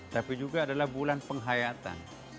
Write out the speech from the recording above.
tapi juga adalah bulan penghayatan